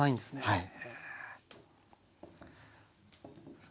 はい。